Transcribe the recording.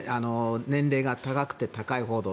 年齢が高くて高いほど。